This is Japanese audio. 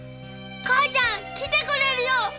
母ちゃん来てくれるよ！